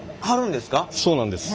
そうなんです。